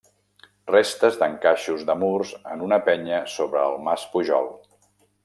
Restes d'encaixos de murs en una penya sobre el mas Pujol.